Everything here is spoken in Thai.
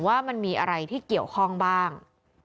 ว่ามันมีอะไรที่เกี่ยวข้องบ้าง